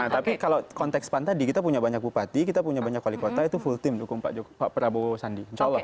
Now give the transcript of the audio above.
tapi kalau konteks pan tadi kita punya banyak bupati kita punya banyak wali kota itu full team mendukung pak prabowo sandi